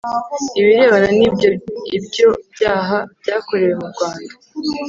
Ibirebana n’ iby ibyo byaha byakorewe mu Rwanda